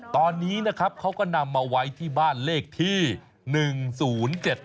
ตอนนี้นะครับเขาก็นำมาไว้ที่บ้านเลขที่๑๐๗หมู่๘